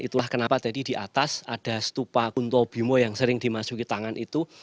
itulah kenapa tadi di atas ada stupa kunto bimo yang sering dimasuki tangan itu